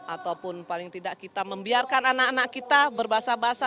ataupun paling tidak kita membiarkan anak anak kita berbasa basah